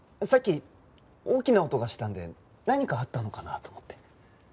さっき大きな音がしたんで何かあったのかなと思って。